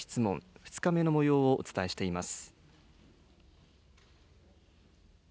２日目のもようをお伝えしています。